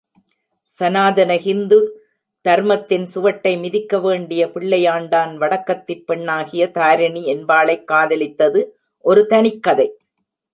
ஸநாதன ஹிந்து தர்மத்தின் சுவட்டை மிதிக்க வேண்டிய பிள்ளையாண்டான், வடக்கத்திப் பெண்ணாகிய தாரிணி என்பாளைக் காதலித்தது ஒரு தனிக்கதை.